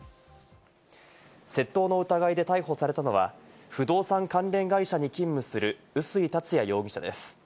窃盗の疑いで逮捕されたのは不動産関連会社に勤務する薄井達也容疑者です。